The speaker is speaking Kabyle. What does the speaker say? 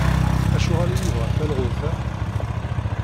Acuɣer i yebɣa talɣut-a?